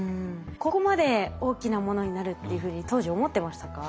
ここまで大きなものになるっていうふうに当時思ってましたか？